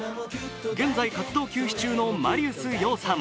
現在、活動休止中のマリウス葉さん。